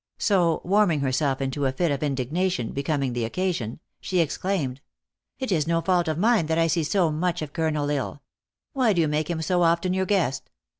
So, warming herself into a lit of indignation becoming the occasion, she exclaimed :" It is no fault of mine that I see so much of Colonel L Isle. Why do you make him so often your guest